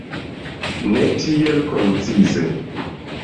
Ne tiel koncize.